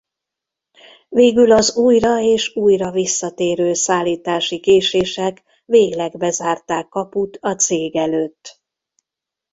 Végül az újra és újra visszatérő szállítási késések végleg bezárták kaput a cég előtt.